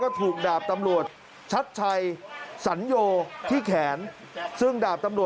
ตอนนี้ก็ยิ่งแล้ว